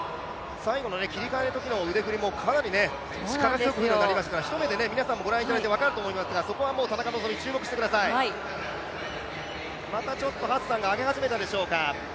最後の切り替えのときの腕振りもかなり力強く振りますから、一目で皆さんもご覧いただいて分かると思いますが、そこは田中希実、注目してくださいまたちょっとハッサンが上げ始めたでしょうか。